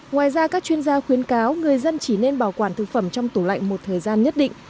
ngoài ra các chuyên gia khuyến cáo người dân chỉ nên bảo quản thực phẩm trong tủ lạnh một thời gian nhất định